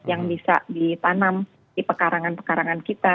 yang bisa ditanam di pekarangan pekarangan kita